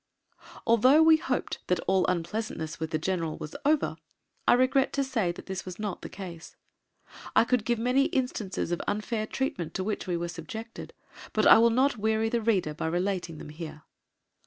Although we hoped that all unpleasantness with the General was over, I regret to say that this was not the case. I could give many instances of unfair treatment to which we were subjected, but I will not weary the reader by relating them here.